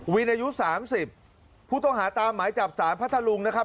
อายุ๓๐ผู้ต้องหาตามหมายจับสารพัทธลุงนะครับ